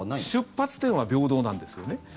出発点は平等なんですよね。